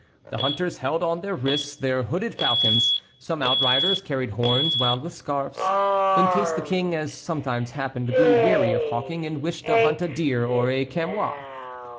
The hunters held on their wrists their hooded falcons; some outriders carried horns wound with scarfs, in case the King, as sometimes happened, grew weary of hawking, and wished to hunt a deer or a chamois.